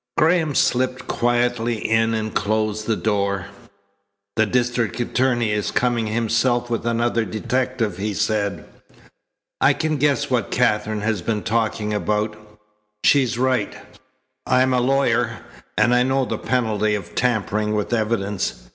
Graham slipped quietly in and closed the door. "The district attorney is coming himself with another detective," he said. "I can guess what Katherine has been talking about. She's right. I'm a lawyer, an I know the penalty of tampering with evidence.